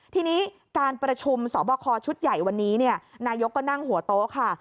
ทีนี้การประชุมสอบคอชุดใหญ่วันนี้นายกก็นั่งหัวโต๊ะค่ะ